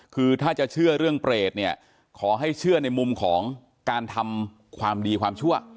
คือถ้าจะเชื่อเรื่องเปรตเนี่ยขอให้เชื่อในมุมของการทำความดีความชั่ว